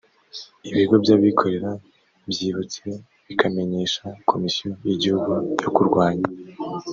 ibigo by abikorera byibutse bikamenyesha komisiyo y igihugu yo kurwanya